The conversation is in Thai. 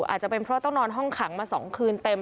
อาจจะเป็นเพราะต้องนอนห้องขังมา๒คืนเต็ม